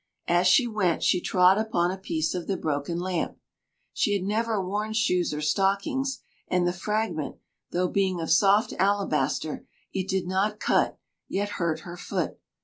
As she went she trod upon a piece of the broken lamp. She had never worn shoes or stockings, and the fragment, though, being of soft alabaster, it did not cut, yet hurt her foot.